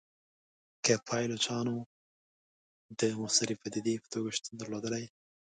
که پایلوچانو د موثري پدیدې په توګه شتون درلودلای.